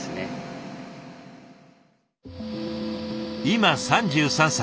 今３３歳。